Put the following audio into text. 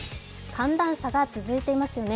寒暖差が続いていますよね。